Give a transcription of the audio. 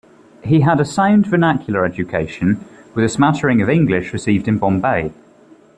He had a sound vernacular education, with a smattering of English received in Bombay.